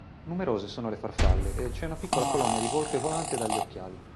Numerose sono le farfalle e c'è una piccola colonia di volpe volante dagli occhiali.